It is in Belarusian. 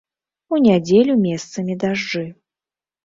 У нядзелю месцамі дажджы.